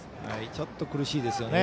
ちょっと苦しいですよね。